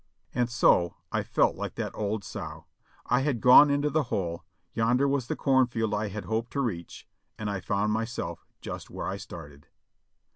And so I felt like the old sow. I had gone into the hole ; yonder was the corn field I had hoped to reach and I found myself just where I started.